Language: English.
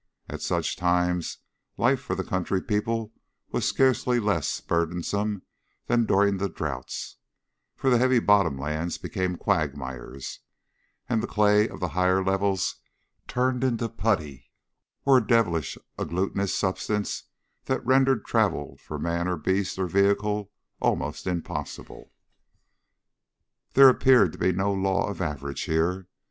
At such times life for the country people was scarcely less burdensome than during the droughts, for the heavy bottom lands became quagmires, and the clay of the higher levels turned into putty or a devilish agglutinous substance that rendered travel for man or beast or vehicle almost impossible. There appeared to be no law of average here.